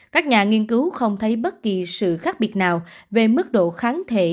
các nhà nghiên cứu không thấy bất kỳ sự khác biệt nào về mức độ kháng thể